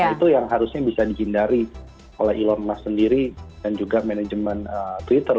itu yang harusnya bisa dihindari oleh elon musk sendiri dan juga manajemen twitter